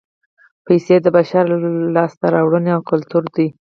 پیسې د بشر لاسته راوړنه او کولتور دی